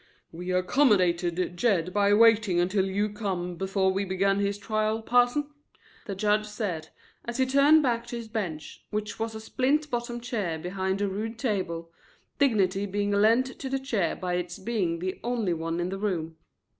"We accommodated Jed by waiting until you come before we begun his trial, Parson," the judge said, as he turned back to his bench, which was a splint bottom chair behind a rude table, dignity being lent to the chair by its being the only one in the room.